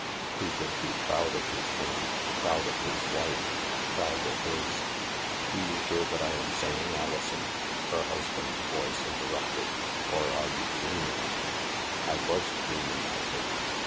He would be proud of his home, proud of his wife, proud of his ... "Do you hear what I am saying, Alison,"' her husband's voice interrupted, "or are you dream ing?" "I was dreaming, I think.